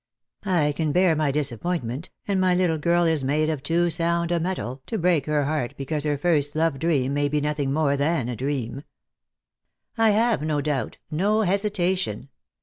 I can bear my disappointment, and my little girl is made of too sound a metal to break her heart because her first love dream may be nothing more than a dream." " I have no doubt — no hesitation.